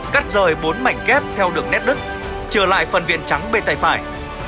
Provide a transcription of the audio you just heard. một cắt rời bốn mảnh ghép theo đường nét đứt trở lại phần viện trắng bên tay phải